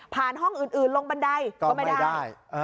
ห้องอื่นลงบันไดก็ไม่ได้